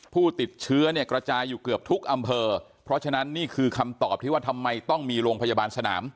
ผู้ติดเชื้อเนี่ยกระจายอยู่เกือบทุกอำเภอเพราะฉะนั้นนี่คือคำตอบที่ว่าทำไมต้องมีโรงพยาบาลสนาม